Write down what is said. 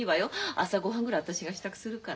朝ごはんぐらい私が支度するから。